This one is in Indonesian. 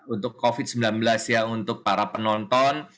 untuk covid sembilan belas ya untuk para penonton